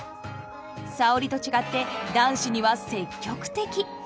沙織と違って男子には積極的。